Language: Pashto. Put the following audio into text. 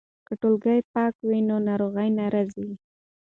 که ټولګې پاکه وي نو ناروغي نه راځي.